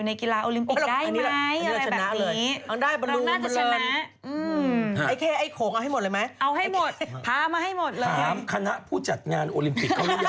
อัพเดทมากจริง